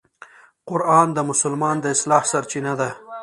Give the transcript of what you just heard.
قرآن د مسلمان د اصلاح سرچینه ده.